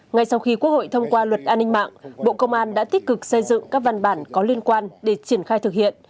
ngay sau khi quốc hội thông qua luật an ninh mạng bộ công an đã tích cực xây dựng các văn bản có liên quan để triển khai thực hiện